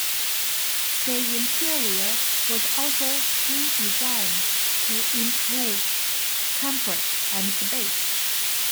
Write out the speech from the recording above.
The interior was also redesigned to improve comfort and space.